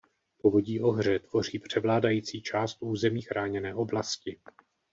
Povodí Ohře tvoří převládající část území chráněné oblasti.